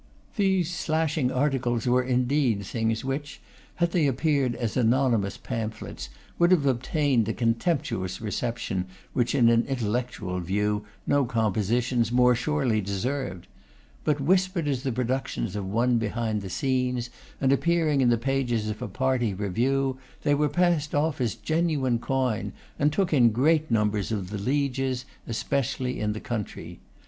These 'slashing articles' were, indeed, things which, had they appeared as anonymous pamphlets, would have obtained the contemptuous reception which in an intellectual view no compositions more surely deserved; but whispered as the productions of one behind the scenes, and appearing in the pages of a party review, they were passed off as genuine coin, and took in great numbers of the lieges, especially in the country.